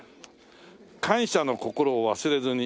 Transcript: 「感謝の心を忘れずに」